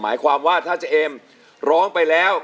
หมายความว่าถ้าเจเอ็มร้องไปแล้ว